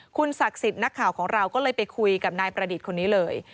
คุณศักดิ์สิทธิ์นักข่าวของเราก็เลยไปคุยกับนายประดิษฐ์คนนี้เลย